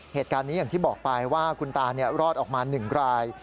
เหตุการณ์นี้อย่างที่บอกไปว่าคุณตารอดออกมา๑ราย